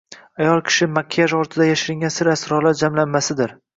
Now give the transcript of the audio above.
Ayol kishi makiyaj ortiga yashiringan sir-asrorlar jamlanmasidir...